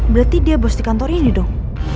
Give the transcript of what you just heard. berarti dia bos di kantor ini dong